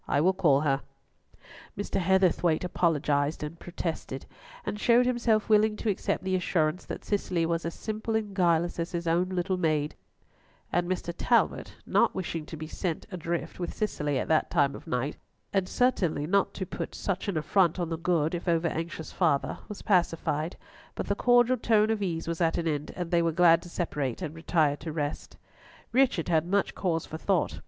I will call her." Mr. Heatherthwayte apologised and protested, and showed himself willing to accept the assurance that Cicely was as simple and guileless as his own little maid; and Mr. Talbot, not wishing to be sent adrift with Cicely at that time of night, and certainly not to put such an affront on the good, if over anxious father, was pacified, but the cordial tone of ease was at an end, and they were glad to separate and retire to rest. Richard had much cause for thought.